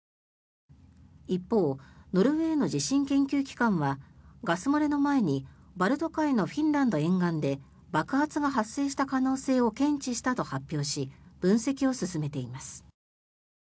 一方ノルウェーの地震研究機関はガス漏れの前にバルト海のフィンランド沿岸で爆発が発生した可能性を検知したと発表し分析を進めています。